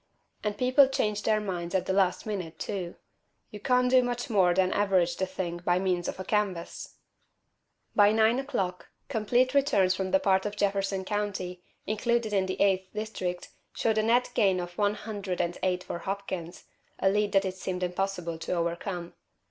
And people change their minds at the last minute, too. You can't do much more than average the thing by means of a canvass." By nine o'clock, complete returns from the part of Jefferson County included in the Eighth District showed a net gain of one hundred and eight for Hopkins a lead that it seemed impossible to overcome.